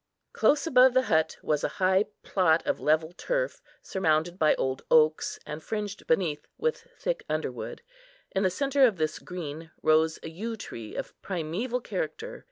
Close above the hut was a high plot of level turf, surrounded by old oaks, and fringed beneath with thick underwood. In the centre of this green rose a yew tree of primeval character.